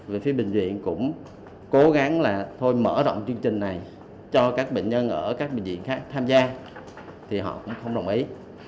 về phía bệnh viện cũng cố gắng là thôi mở rộng chương trình này cho các bệnh nhân ở các bệnh viện khác tham gia thì họ cũng không đồng ý